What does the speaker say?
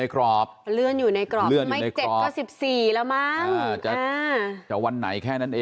ติดต่อกันกับวันอาทิตย์กับ๒วันธรรมดา